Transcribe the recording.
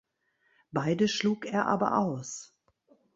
Beide schlug er aber aus.